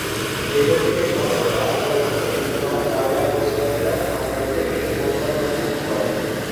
দেহ থেকে স্বতন্ত্র আত্মার অস্তিত্ব বিদ্যমান- চার্বাক বস্ত্তবাদীরা ভাববাদীদের এরূপ মতবাদ প্রত্যাখ্যান করে।